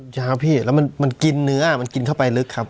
ใช่ครับพี่แล้วมันกินเนื้อมันกินเข้าไปลึกครับ